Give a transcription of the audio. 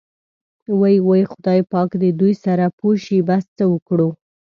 وۍ وۍ خدای پاک دې دوی سره پوه شي، بس څه وکړو.